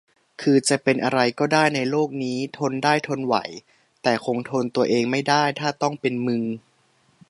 คือจะเป็นอะไรก็ได้ในโลกนี้ ทนได้ ทนไหว แต่คงทนตัวเองไม่ได้ถ้าต้องเป็นมึง